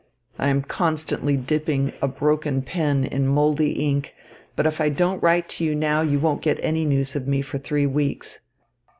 I am constantly dipping a broken pen in mouldy ink; but if I don't write to you now, you won't get any news of me for three weeks.